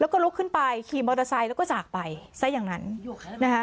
แล้วก็ลุกขึ้นไปขี่มอเตอร์ไซค์แล้วก็จากไปซะอย่างนั้นนะคะ